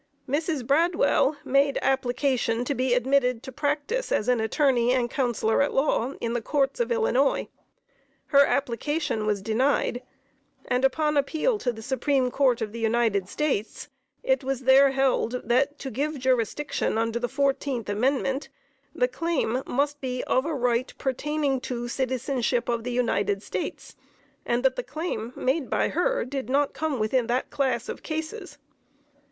Mrs. Bradwell made application to be admitted to practice as an attorney and counsellor at law, in the Courts of Illinois. Her application was denied, and upon appeal to the Supreme Court of the United States, it was there held that to give jurisdiction under the 14th Amendment, the claim must be of a right pertaining to citizenship of the United States, and that the claim made by her did not come within that class of cases.